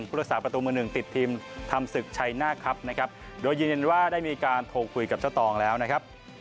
รักษาประตูมือหนึ่งติดทีมทำศึกชัยหน้าครับนะครับโดยยืนยันว่าได้มีการโทรคุยกับเจ้าตองแล้วนะครับ